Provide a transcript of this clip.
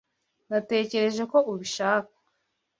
Natekereje ko ubishaka.